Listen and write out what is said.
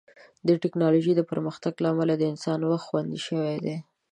د ټیکنالوژۍ د پرمختګ له امله د انسان وخت خوندي شوی دی.